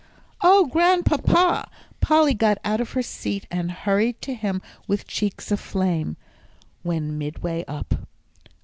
"Oh, Grandpapa!" Polly got out of her seat and hurried to him with cheeks aflame, when midway up.